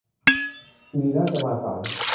อิริน่าจะมาสาย